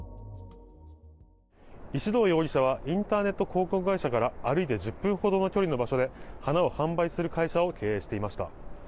石動容疑者はインターネット広告会社から歩いて１０分ほどの距離の場所で花を販売する会社を経営していました。